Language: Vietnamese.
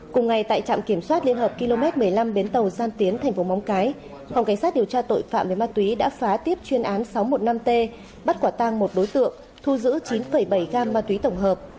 cùng ngày tại trạm kiểm soát liên hợp km một mươi năm bến tàu gian tiến thành phố móng cái phòng cảnh sát điều tra tội phạm về ma túy đã phá tiếp chuyên án sáu trăm một mươi năm t bắt quả tang một đối tượng thu giữ chín bảy gam ma túy tổng hợp